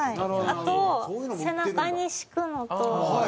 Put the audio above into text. あと背中に敷くのと。